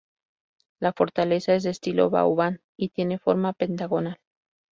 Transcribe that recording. La fortaleza es de estilo Vauban y tiene forma pentagonal.